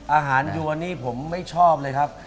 ยวนนี้ผมไม่ชอบเลยครับ